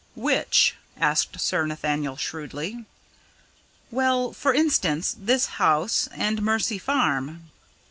"Which?" asked Sir Nathaniel shrewdly. "Well, for instance, this house and Mercy Farm?"